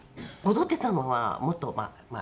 踊っていたのはもっと前。